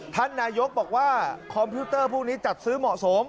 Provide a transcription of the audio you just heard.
ท่านนายกบอกว่าคอมพิวเตอร์พวกนี้จัดซื้อเหมาะสม